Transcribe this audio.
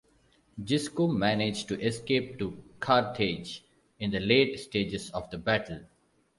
Gisco managed to escape to Carthage in the late stages of the battle.